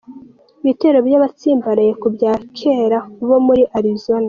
Ibitero by’abatsimbaraye ku bya kera bo muri Arizona.